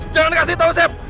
jangan kasih tau sep